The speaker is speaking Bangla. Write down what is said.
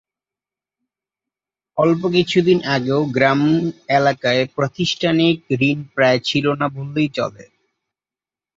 অল্প কিছুদিন আগেও গ্রাম এলাকায় প্রাতিষ্ঠানিক ঋণ প্রায় ছিল না বললেই চলে।